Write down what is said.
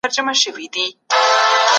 ټولنیز قوانین کشف کول اړین دي.